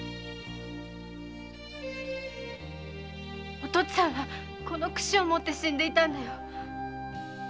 お父っつぁんはこの櫛を持って死んでいたんだよ。